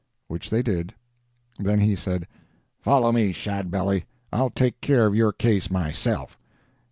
which they did; then he said: "Follow me, Shadbelly; I'll take care of your case myself.